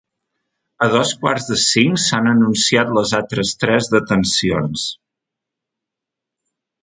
A dos quarts de cinc s’han anunciat les altres tres detencions.